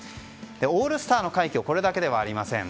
オールスターの快挙はこれだけではありません。